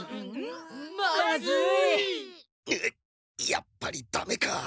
やっぱりダメか。